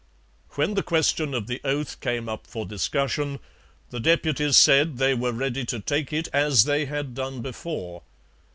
When the question of the oath came up for discussion, the deputies said they were ready to take it as they had done before.